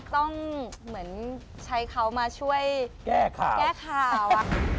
ต้องเหมือนใช้เขามาช่วยแก้ข่าว